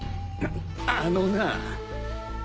あのなぁ！